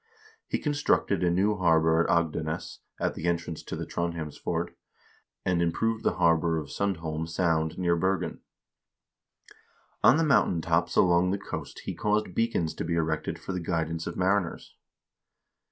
He constructed a new harbor at Agdenes, at the entrance to the Trondhjemsfjord, and improved the harbor of Sundholm Sound near Bergen. On the mountain tops along the coast he caused beacons to be erected for the guidance of mariners.